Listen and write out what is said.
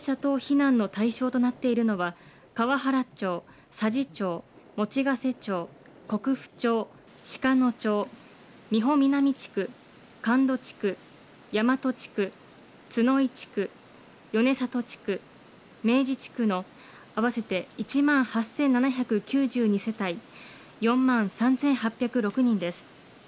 鳥取市で高齢者等避難の対象となっているのは河原町、佐治町、用瀬町、国府町、鹿野町、美保南地区、神戸地区、大和地区、津ノ井地区、米里地区、明治地区の、合わせて１万８７９２世帯４万３８０６人です。